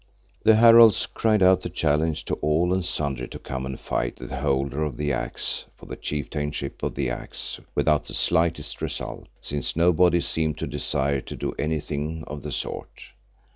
The heralds cried out the challenge to all and sundry to come and fight the Holder of the Axe for the chieftainship of the Axe without the slightest result, since nobody seemed to desire to do anything of the sort.